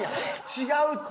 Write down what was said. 違うって！